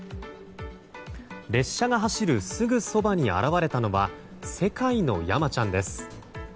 列車が走るすぐそばに現れたのは世界の山ちゃんです。